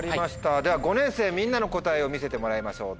では５年生みんなの答えを見せてもらいましょう。